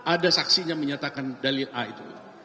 ada saksinya menyatakan dalil a itu